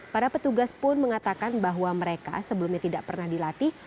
para petugas pun mengatakan bahwa mereka sebelumnya tidak pernah dilatih